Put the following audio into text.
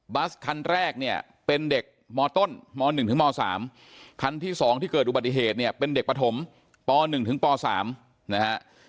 คันแรกเนี่ยเป็นเด็กมต้นม๑ถึงม๓คันที่๒ที่เกิดอุบัติเหตุเนี่ยเป็นเด็กปฐมป๑ถึงป๓นะฮะ